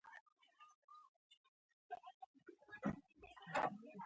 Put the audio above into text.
دینونه خدای نه، بلکې انسانانو د خپلو ګټو لپاره جوړ کړي دي